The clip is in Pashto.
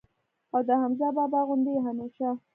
او د حمزه بابا غوندي ئې هميشه